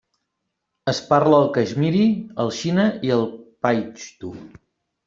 Es parla el caixmiri, el xina i el paixtu.